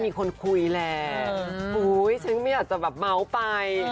เป็นคนคุยแหละฉันก็ไม่อยากจะเม้าท์ไป